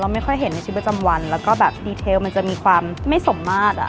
ไม่ค่อยเห็นในชีวิตประจำวันแล้วก็แบบดีเทลมันจะมีความไม่สมมาตรอ่ะ